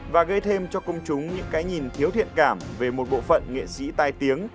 và gây thêm cho công chúng những cái nhìn thiếu thiện cảm về một bộ phận nghệ sĩ tai tiếng